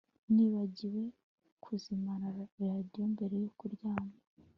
nibagiwe kuzimya radiyo mbere yo kuryama